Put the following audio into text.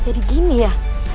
jadi gini ya